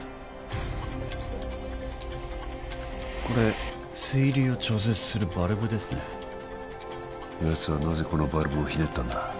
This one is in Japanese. これ水流を調節するバルブですねやつはなぜこのバルブをひねったんだ？